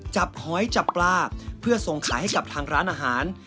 หอยจับปลาเพื่อส่งขายให้กับทางร้านอาหาร